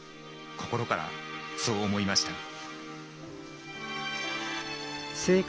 心から、そう思いました。